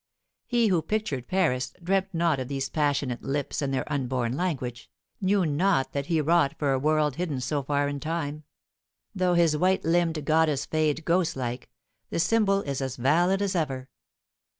He who pictured Paris dreamt not of these passionate lips and their unborn language, knew not that he wrought for a world hidden so far in time. Though his white limbed goddess fade ghostlike, the symbol is as valid as ever.